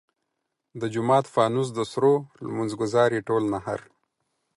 د جومات فانوس د سرو لمونځ ګزار ئې ټول نهر !